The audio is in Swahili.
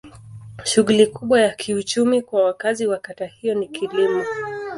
Shughuli kubwa ya kiuchumi kwa wakazi wa kata hiyo ni kilimo.